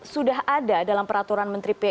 sudah ada dalam peraturan menteri pu nomor dua